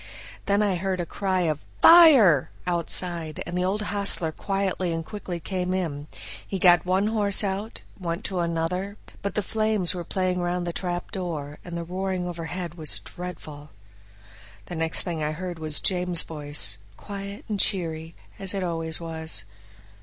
Then I heard a cry of "Fire!" outside, and the old hostler quietly and quickly came in; he got one horse out, and went to another, but the flames were playing round the trapdoor, and the roaring overhead was dreadful. The next thing I heard was James' voice, quiet and cheery, as it always was.